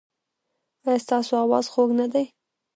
ایا ستاسو اواز خوږ نه دی؟